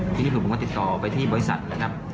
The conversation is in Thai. ทีนี้ผมก็ติดต่อไปที่บริษัทนะครับ